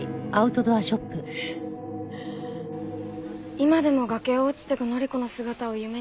今でも崖を落ちていく範子の姿を夢に見るんです。